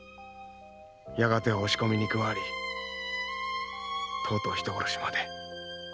「やがては押し込みに加わりとうとう人殺しまで」